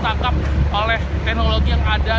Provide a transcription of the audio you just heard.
tangkap oleh teknologi yang ada